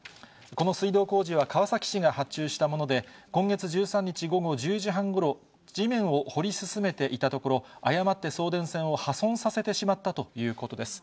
この水道工事は川崎市が発注したもので、今月１３日午後１０時半ごろ、地面を掘り進めていたところ、誤って送電線を破損させてしまったということです。